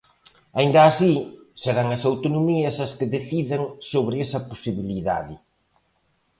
Aínda así, serán as autonomías as que decidan sobre esa posibilidade.